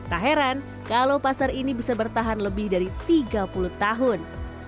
tak heran kalau pasar ini bisa bertahan lebih dari tiga puluh tahun